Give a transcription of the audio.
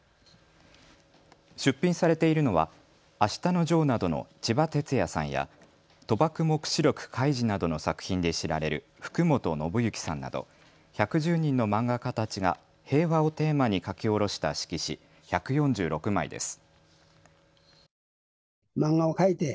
出品されているのはあしたのジョーなどのちばてつやさんや賭博黙示録カイジなどの作品で知られる福本伸行さんなど１１０人の漫画家たちが平和をテーマに描き下ろした色紙１４６枚です。